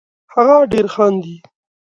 هغه ډېر خاندي